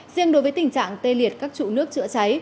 riêng đối với tình trạng tê liệt các trụ nước chữa cháy